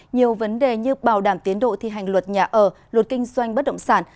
nhiều vấn đề như bảo đảm tiến độ thi hành luật nhà ở luật kinh doanh bất động sản